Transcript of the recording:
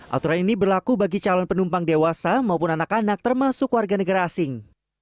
aturan ini berlaku bagi calon penumpang dewasa maupun anak anak termasuk warga negara asing